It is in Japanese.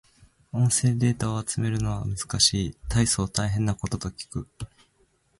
音声データを集めるのは難しい。大層大変なことと聞く。